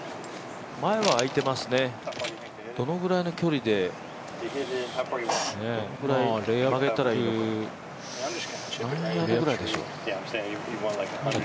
前は空いてますね、どのぐらいの距離で上げたらいいのか。